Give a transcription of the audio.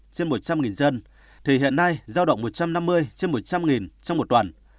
trên một trăm linh dân thì hiện nay giao động một trăm năm mươi trên một trăm linh trong một tuần